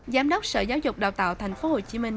giám đốc sở giáo dục đào tạo thành phố hồ chí minh